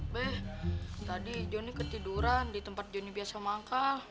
beh tadi johnny ketiduran di tempat joni biasa manggal